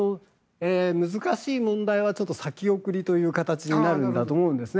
難しい問題は先送りという形になるんだと思うんですね。